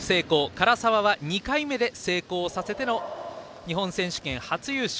柄澤は２回目で成功させての日本選手権初優勝。